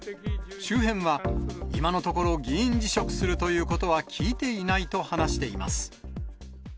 周辺は、今のところ、議員辞職するということは聞いていないと話しています。